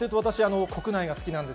国内が好きです。